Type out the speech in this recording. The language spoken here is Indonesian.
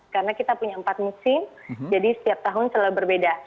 karena kita punya empat musim jadi setiap tahun selalu berbeda